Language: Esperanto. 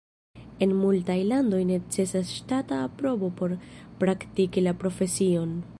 En multaj landoj necesas ŝtata aprobo por praktiki la profesion.